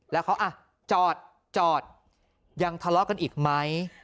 แล้วเขาจอดยังทะเลาะกันอีกไหม